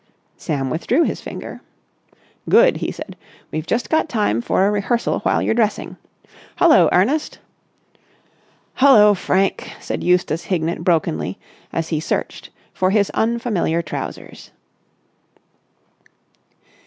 Sam withdrew his finger. "Good!" he said. "We've just got time for a rehearsal while you're dressing. 'Hullo, Ernest!'" "'Hullo, Frank,'" said Eustace Hignett brokenly as he searched for his unfamiliar trousers.